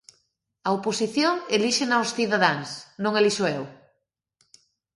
A oposición elíxena os cidadáns, non a elixo eu.